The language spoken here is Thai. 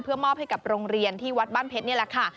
มอบให้กับโรงเรียนที่วัดบ้านเพชรนี่แหละค่ะ